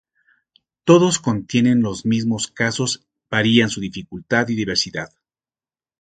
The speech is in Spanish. Todos contienen los mismos casos, varian su dificultad y diversidad.